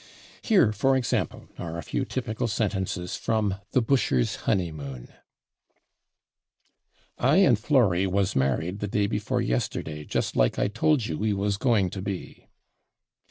Here, for example, are a few typical sentences from "The Busher's Honeymoon": I and Florrie /was/ married the day before yesterday just /like/ I told you we /was/ going to be....